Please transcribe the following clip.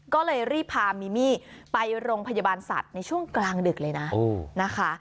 ก็เลยรีบพามิมี่ไปโรงพยาบาลสัตว์ในช่วงกลางดึกเลยนะนะคะ